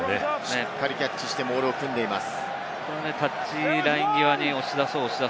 しっかりキャッチして、モールを組んでいます。